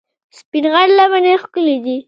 سپین غر لمنې ښکلې دي؟